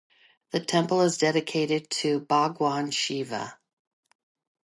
The temple is dedicated to bhagwan Shiva.